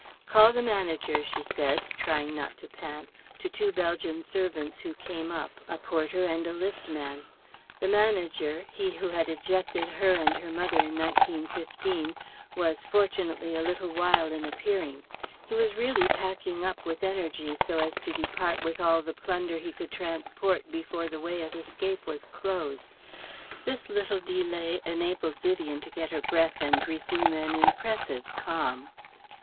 "Call the Manager," she said trying not to pant to two Belgian servants who came up, a porter and a lift man. The Manager he who had ejected her and her mother in 1915 was fortunately a little while in appearing. He was really packing up with energy so as to depart with all the plunder he could transport before the way of escape was closed. This little delay enabled Vivien to get her breath and resume an impressive calm.